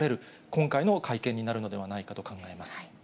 今回の会見になるのではないかと考えま